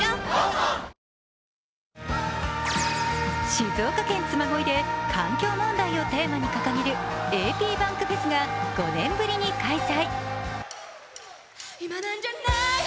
静岡県嬬恋で環境問題をテーマに掲げるａｐｂａｎｋｆｅｓが５年ぶりに開催。